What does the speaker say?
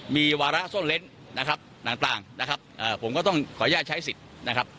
มีวาระซ่อนเล้นนะครับต่างนะครับผมก็ต้องขออนุญาตใช้สิทธิ์นะครับ